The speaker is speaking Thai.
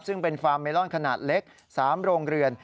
ซึ่งเป็นฟาร์มเมลอนขนาดเล็ก๓โรงเรือน